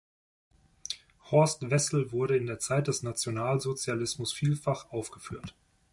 Horst Wessel“ wurde in der Zeit des Nationalsozialismus vielfach aufgeführt.